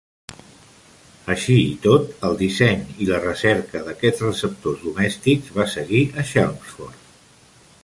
Així i tot, el disseny i la recerca d'aquests receptors domèstics va seguir a Chelmsford.